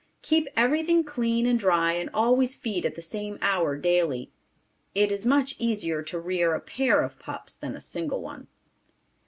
Keep everything clean and dry and always feed at the same hour daily. It is much easier to rear a pair of pups than a single one.